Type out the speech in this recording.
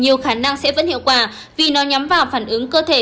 nhiều khả năng sẽ vẫn hiệu quả vì nó nhắm vào phản ứng cơ thể